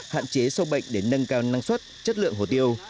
hạn chế sâu bệnh để nâng cao năng suất chất lượng hồ tiêu